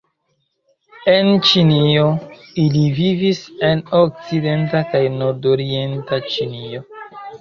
En Ĉinio iii vivis en okcidenta kaj nordorienta Ĉinio.